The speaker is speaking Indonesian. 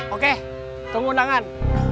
oke tunggu undangan